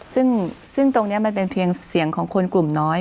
ซึ่งตรงนี้มันเป็นเพียงเสียงของคนกลุ่มน้อย